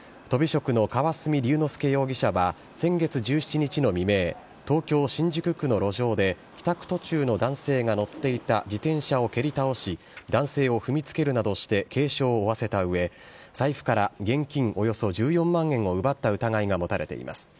とび職の河澄龍之介容疑者は、先月１７日の未明、東京・新宿区の路上で帰宅途中の男性が乗っていた自転車を蹴り倒し、男性を踏みつけるなどして軽傷を負わせたうえ、財布から現金およそ１４万円を奪った疑いが持たれています。